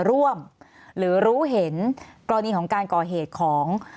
ร่วมหรือรู้เห็นกรณีของกล่อเหตุของ